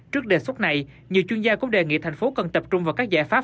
trước đề xuất này nhiều chuyên gia cũng đề nghị thành phố cần tập trung vào các giải pháp